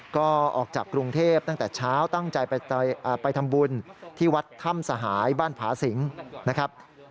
ก็ออกจากกรุงเทพตั้งแต่เช้าตั้งใจไปทำบุญที่วัดถ้ำสหายบ้านผาสิงนะครับ